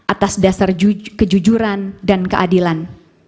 atas dasar kejujuran dan keadilan